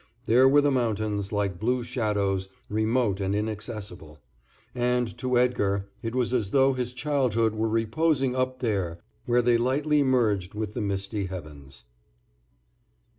There were the mountains like blue shadows, remote and inaccessible. And to Edgar it was as though his childhood were reposing up there where they lightly merged with the misty heavens.